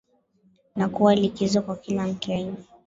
na kuwa likizo kwa kila mkenya